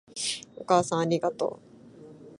お母さんありがとう